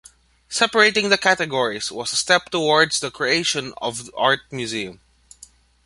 Separating the categories was a step towards the creation of art museum.